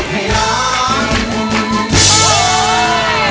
แบบนี้คุณคุณสำคัญ